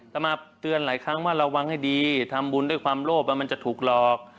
แต่มาเตือนหลายครั้งว่าระวังให้ดีทำบุญด้วยความโลภว่ามันจะถูกหลอก